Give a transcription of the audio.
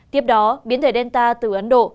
tiếp đó biến thể delta từ ấn độ